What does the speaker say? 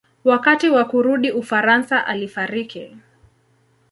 Wakati wa kurudi Ufaransa alifariki.